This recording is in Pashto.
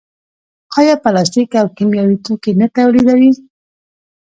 آیا پلاستیک او کیمیاوي توکي نه تولیدوي؟